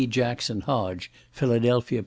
Jackson Hodge, Philadelphia Pa.